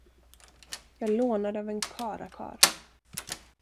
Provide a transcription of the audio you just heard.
Jag lånade av en karlakarl.